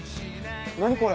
何これ！